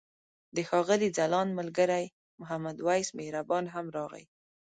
د ښاغلي ځلاند ملګری محمد وېس مهربان هم راغی.